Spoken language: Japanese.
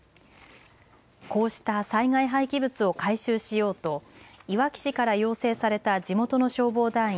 こうした災害廃棄物を回収しようといわき市から要請された地元の消防団員